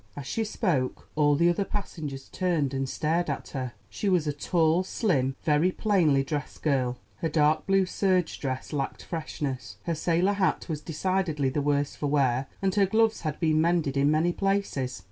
As she spoke all the other passengers turned and stared at her. She was a tall, slim, very plainly dressed girl; her dark blue serge dress lacked freshness, her sailor hat was decidedly the worse for wear, and her gloves had been mended in many places.